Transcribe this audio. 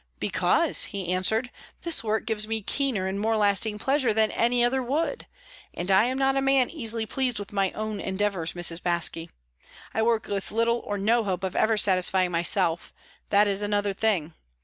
"Because," he answered, "this work gives me keener and more lasting pleasure than any other would. And I am not a man easily pleased with my own endeavours, Mrs. Baske. I work with little or no hope of ever satisfying myself that is another thing.